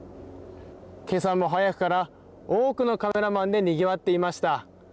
けさも早くから多くのカメラマンでにぎわっていました。